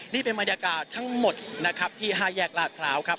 นี่เป็นบรรยากาศทั้งหมดนะครับที่๕แยกลาดพร้าวครับ